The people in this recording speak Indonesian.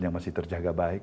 yang masih terjaga baik